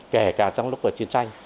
kể cả trong lúc của chiến tranh